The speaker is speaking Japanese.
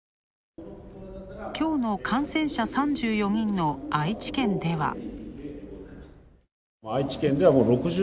今日の感染者３４人の愛知県では。